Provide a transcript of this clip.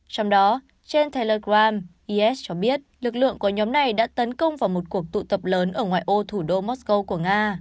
trong đó trên telegram is cho biết lực lượng của nhóm này đã tấn công vào một cuộc chiến